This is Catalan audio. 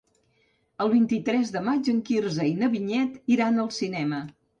El vint-i-tres de maig en Quirze i na Vinyet iran al cinema.